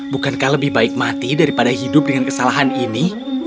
bukankah lebih baik mati daripada hidup dengan kesalahan ini